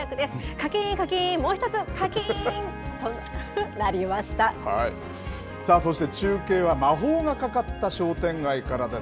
かきーん、かきーん、もう１つ、さあそして、中継は魔法がかかった商店街からです。